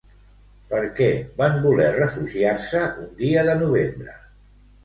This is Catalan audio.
Per què van voler refugiar-se un dia de novembre?